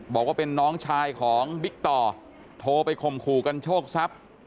บอกว่าเป็นน้องชายของบิ๊กต่อโทรไปข่มขู่กันโชคทรัพย์